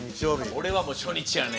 俺はもう初日やね。